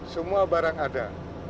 semua barang ada